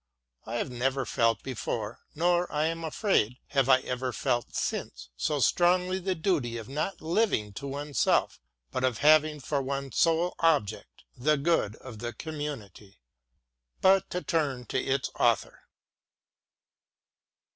" I have never felt before, nor, I am afraid, have I ever felt since, so strongly the duty of not living to oneself, but of having for one's sole object the good of the com munity." But to turn to its author.